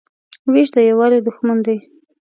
وېش د یووالي دښمن دی.